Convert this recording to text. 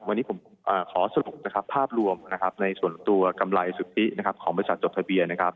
วันนี้ผมขอสรุปนะครับภาพรวมนะครับในส่วนตัวกำไรสุทธินะครับของบริษัทจดทะเบียนนะครับ